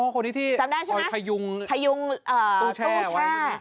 อ๋อคนนี้ที่ทายุงตู้แช่ไว้